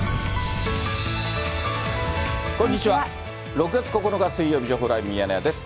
６月９日水曜日、情報ライブ、ミヤネ屋です。